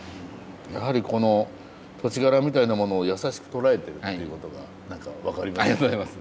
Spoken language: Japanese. やはりこの土地柄みたいなものを優しく捉えてるっていうことが何か分かります。